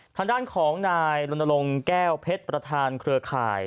ทางด้านของนายลนลงแก้วเพชรประธานเครือข่าย